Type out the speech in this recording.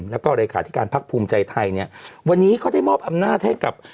แล้วก็เลขาธิการพักภูมิใจไทยเนี่ยวันนี้เขาได้มอบอำนาจให้กับ